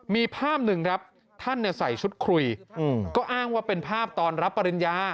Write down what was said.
มีภาพหนึ่งครับท่านใส่ชุดคุยก็อ้างว่าเป็นภาพตอนรับปริญญา